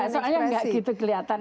soalnya gak gitu keliatan